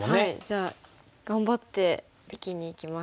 じゃあ頑張って生きにいきます。